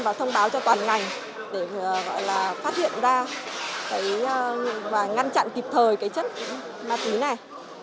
và thông báo cho toàn ngành để gọi là phát hiện ra và ngăn chặn kịp thời cái chất ma túy này